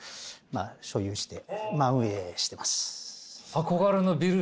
まあ所有して運営してます。